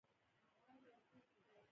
هوارې ته ور پورته شوم، نیمه رڼا وه.